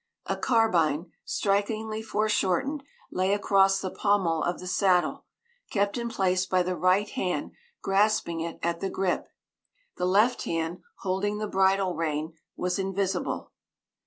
A carbine, strikingly foreshortened, lay across the pommel of the saddle, kept in place by the right hand grasping it at the "grip"; the left hand, holding the bridle rein, was invisible.